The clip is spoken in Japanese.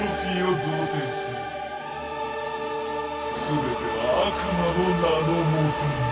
全ては悪魔の名のもとに。